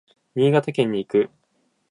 新潟県に行く。